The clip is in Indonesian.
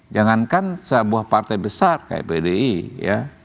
jangankan sebuah partai besar kayak pdi ya